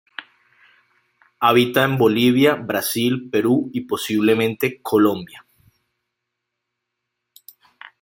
Habita en Bolivia, Brasil, Perú y posiblemente Colombia.